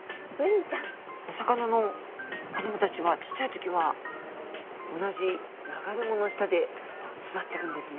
お魚の子どもたちはちっちゃい時は同じ流れ藻の下で育ってくんですね。